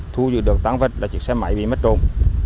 thu giữ được tăng vật là chiếc xe máy bị mất trộm